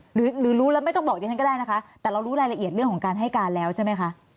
หรือรู้แล้วไม่ต้องบอกดิฉันก็ได้นะคะแต่เรารู้รายละเอียดเรื่องของการให้การแล้วใช่ไหมคะ